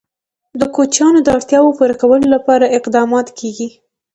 د کوچیانو د اړتیاوو پوره کولو لپاره اقدامات کېږي.